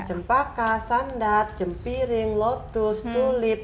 jempaka sandat jempirin lotus tulip